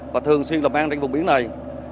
và thường xuyên lập an đến vùng biển này